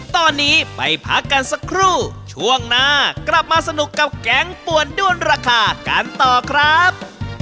ตอนนี้ไปพักกันสักครู่ช่วงหน้ากลับมาสนุกกับแก๊งป่วนด้วนราคากันต่อครับ